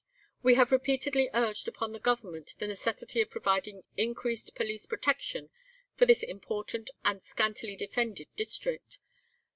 We have repeatedly urged upon the Government the necessity of providing increased police protection for this important and scantily defended district.